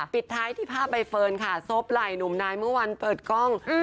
ปิดท้ายที่ภาพใบเฟิร์นค่ะซบไหล่หนุ่มนายเมื่อวันเปิดกล้อง